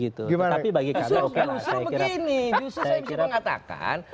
justru begini justru saya bisa mengatakan